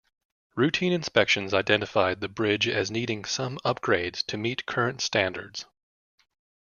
Routine inspections identified the bridge as needing some upgrades to meet current standards.